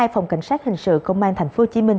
phòng cảnh sát hình sự công an thành phố hồ chí minh